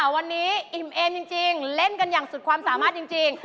วันนี้อิ่มเอมจริงเล่นกันอย่างสุดความสามารถจริง